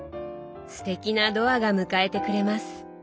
すてきなドアが迎えてくれます。